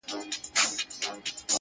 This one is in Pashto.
زندګي هم يو تجربه وه ښه دى تېره سوله,